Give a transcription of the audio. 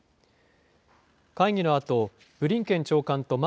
会議のあと、ブリンケン長官とマ